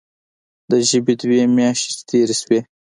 د ژمي دوې مياشتې چې تېرې سوې.